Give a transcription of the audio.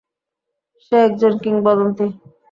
সে একজন কিংবদন্তি!